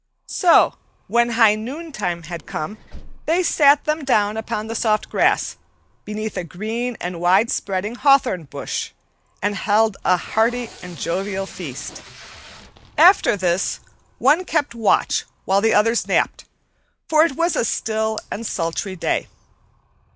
So when high noontide had come they sat them down upon the soft grass, beneath a green and wide spreading hawthorn bush, and held a hearty and jovial feast. After this, one kept watch while the others napped, for it was a still and sultry day.